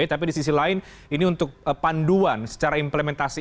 tapi di sisi lain ini untuk panduan secara implementasi